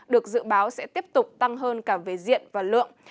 được dự báo sẽ tiếp tục tăng hơn cả về diện và lượng